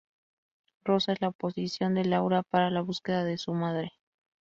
Rosa es la oposición de Laura para la búsqueda de su madre.